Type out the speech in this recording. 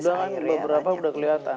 sudah kan beberapa sudah kelihatan